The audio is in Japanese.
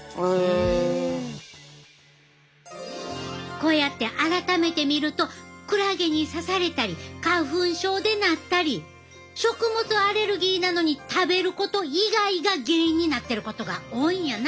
こうやって改めて見るとクラゲに刺されたり花粉症でなったり食物アレルギーなのに食べること以外が原因になってることが多いんやな。